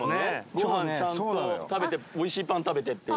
ご飯ちゃんと食べておいしいパン食べてっていう。